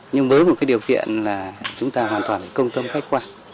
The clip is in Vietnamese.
nhưng với một điều kiện là chúng ta hoàn toàn công tâm khách khoa